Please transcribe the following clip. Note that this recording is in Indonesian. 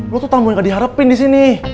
lo tuh tamu yang gak diharapin disini